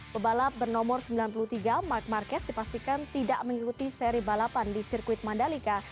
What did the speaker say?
pebalap bernomor sembilan puluh tiga mark marquez dipastikan tidak mengikuti seri balapan di sirkuit mandalika